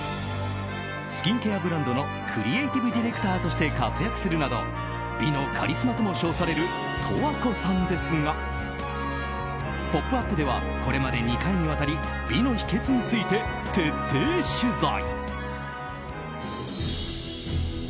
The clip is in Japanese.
スキンケアブランドのクリエイティブディレクターとして活躍するなど美のカリスマとも称される十和子さんですが「ポップＵＰ！」ではこれまで２回にわたり美の秘訣について徹底取材！